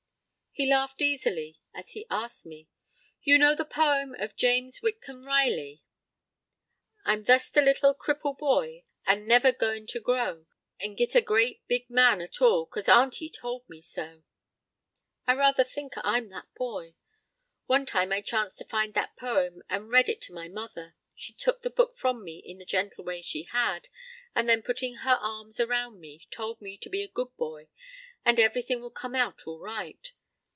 He laughed easily as he asked me, "You know the poem of James Whitcomb Riley, 'I'm th'ust a little cripple boy An' never going to grow, An' git a great big man at all, 'Cause auntie told me so.' "I rather think I'm that boy. One time I chanced to find that poem and read it to my mother. She took the book from me in the gentle way she had, and then putting her arms around me, told me to be a good boy and everything would come out all right.